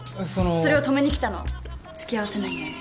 それを止めに来たの付き合わせないように。